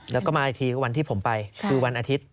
แล้วก็มาอีกทีก็วันที่ผมไปคือวันอาทิตย์